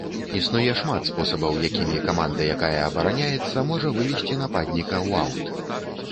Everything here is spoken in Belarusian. Існуе шмат спосабаў, якімі каманда, якая абараняецца, можа вывесці нападніка ў аўт.